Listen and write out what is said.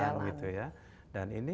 betul gitu ya dan ini